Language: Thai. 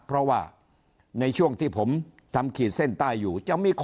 เพราะว่าในช่วงที่ผมทำขีดเส้นใต้อยู่